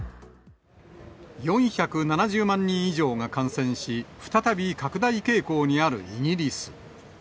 ４７０万人以上が感染し、再び拡大傾向にあるイギリス。